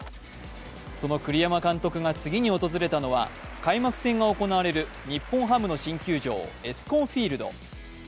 その栗山監督が次に訪れたのは開幕戦が行われる日本ハムの新球場ＥＳＣＯＮＦＩＥＬＤ。